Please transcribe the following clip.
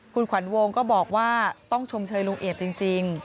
คุณขวัญวงก็บอกว่าต้องชมเชยลุงเอียดจริง